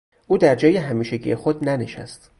او در جای همیشگی خود ننشست.